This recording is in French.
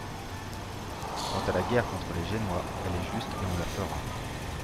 Quant à la guerre contre les Génois, elle est juste et on la fera.